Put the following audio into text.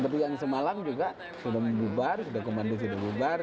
seperti yang semalam juga sudah membubar sudah komando sudah bubar